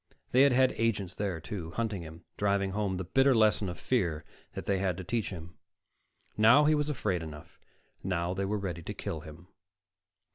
They had had agents there, too, hunting him, driving home the bitter lesson of fear they had to teach him. Now he was afraid enough; now they were ready to kill him.